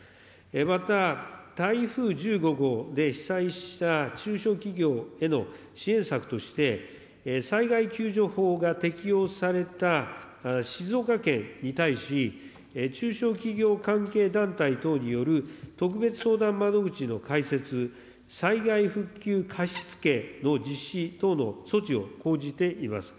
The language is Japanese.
また、台風１５号で被災した中小企業への支援策として、災害救助法が適用された静岡県に対し、中小企業関係団体等による特別相談窓口の開設、災害復旧貸し付けの実施等の措置を講じています。